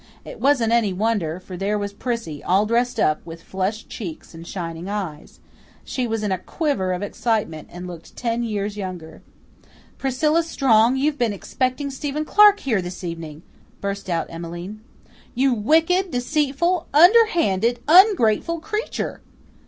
It wasn't any wonder, for there was Prissy, all dressed up, with flushed cheeks and shining eyes. She was all in a quiver of excitement, and looked ten years younger. "Priscilla Strong, you've been expecting Stephen Clark here this evening!" burst out Emmeline. "You wicked, deceitful, underhanded, ungrateful creature!"